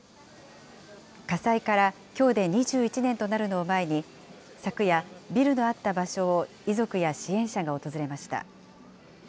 火災からきょうで２１年となるのを前に、昨夜、ビルのあった場所を遺族や支援者が訪れました。